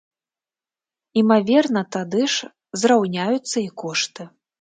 Імаверна, тады ж зраўняюцца і кошты.